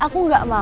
ya kann behavi